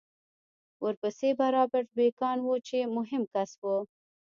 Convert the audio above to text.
ورپسې به رابرټ بېکان و چې مهم کس و